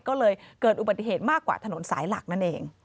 ก็เลยเกิดอุบัติเหตุมากกว่าถนนสายหลักนั่นเอง